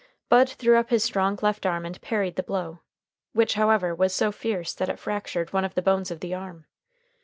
Bud threw up his strong left arm and parried the blow, which, however, was so fierce that it fractured one of the bones of the arm.